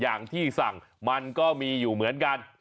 อย่างที่สั่งมันก็มีอยู่เหมือนกัน